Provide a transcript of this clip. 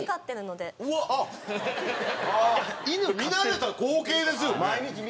あっ見慣れた光景ですよね。